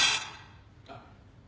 あっ。